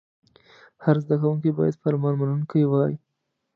هر زده کوونکی باید فرمان منونکی وای.